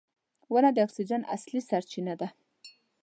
• ونه د اکسیجن اصلي سرچینه ده.